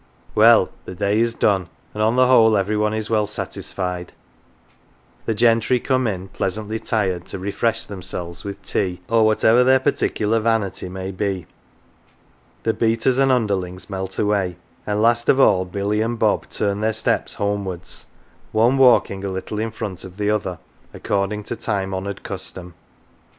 Well, the day is done, and on the whole every one is well satisfied ;" the gentry " come in, pleasantly tired, to refresh themselves with tea, or whatever their "particular vanity" may be; the beaters and underlings melt away ; and last of all Billy and Bob turn their steps homewards, one walking a little in front of the other, according to time honoured custom.